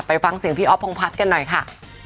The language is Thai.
ฟังเสียงพี่อ๊อฟพงพัฒน์กันหน่อยค่ะ